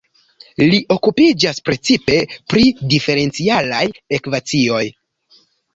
Li okupiĝas precipe pri diferencialaj ekvacioj.